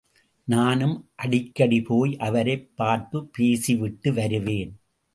நானும் அடிக்கடிபோய் அவரைப் பார்த்துபேசிவிட்டு வருவேன்.